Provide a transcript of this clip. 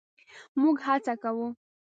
مونږ هڅه کوو